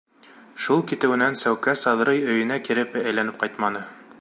Шул китеүенән Сәүкә Саҙрый өйөнә кире әйләнеп ҡайтманы.